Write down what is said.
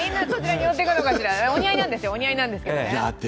お似合いなんですよ、お似合いなんですけどね。